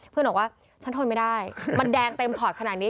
บอกว่าฉันทนไม่ได้มันแดงเต็มพอร์ตขนาดนี้